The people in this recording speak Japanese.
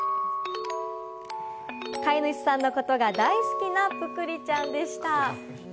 飼い主さんのことが大好きなぷくりちゃんでした。